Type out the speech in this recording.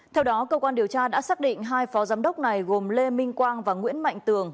theo đó cơ quan điều tra đã xác định hai phó giám đốc này gồm lê minh quang và nguyễn mạnh tường